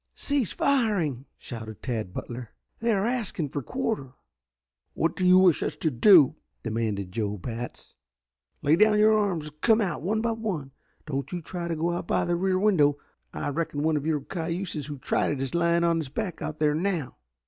"Cease firing!" shouted Tad Butler. "They are asking for quarter." "What do you wish us to do?" demanded Joe Batts. "Lay down your arms and come out one by one. Don't try to go out by the rear window. I reckon one of your cayuses who tried it is lying on his back out there now."